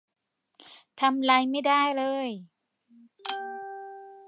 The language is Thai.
ทำไรไม่ได้เลย